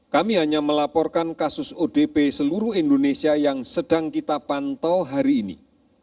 kami hanya melaporkan kasus odp seluruh indonesia yang sedang kita pantau hari ini